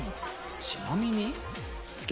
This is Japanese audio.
ちなみに。